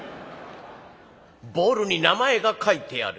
ボールに名前が書いてある。